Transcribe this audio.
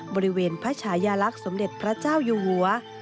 บริเวณพระชายาลักษณ์สมเด็จพระเจ้าอยู่หัว